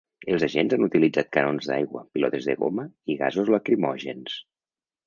Els agents han utilitzat canons d’aigua, pilotes de goma i gasos lacrimògens.